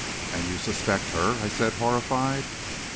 "And you suspect her?" I said, horrified.